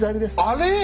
あれ？